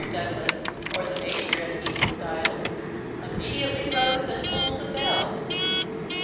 Douglas, or the Major, as he was styled, immediately rose and pulled the bell.